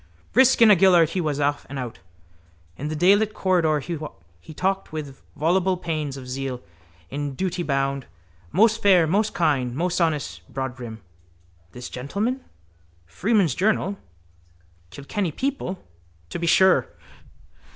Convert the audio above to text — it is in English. Brisk in a galliard he was off, out. In the daylit corridor he talked with voluble pains of zeal, in duty bound, most fair, most kind, most honest broadbrim. —This gentleman? Freeman's Journal? Kilkenny People? To be sure.